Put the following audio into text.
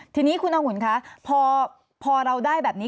ทีนี้คุณองุ่นคะพอเราได้แบบนี้